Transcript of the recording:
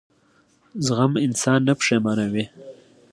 زغم انسان نه پښېمانوي.